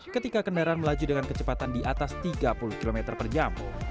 ketika kendaraan melaju dengan kecepatan di atas tiga puluh km per jam